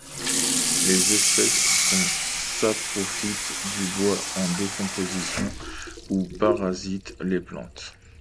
Les espèces sont saprophytes du bois en décomposition ou parasitent les plantes.